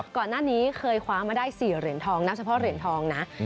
ก่อนหน้านี้เคยคว้ามาได้๔เหรียญทองนับเฉพาะเหรียญทองนะ